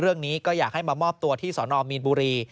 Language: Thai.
เรื่องนี้ก็อยากให้มามอบตัวที่สนมีนบุรี